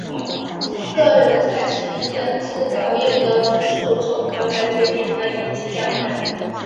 个人赛是以两次表演的分数总和来决定排名及奖牌。